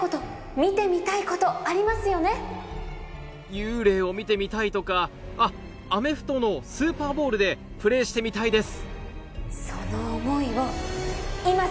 幽霊を見てみたいとかあっアメフトのスーパーボウルでプレーしてみたいです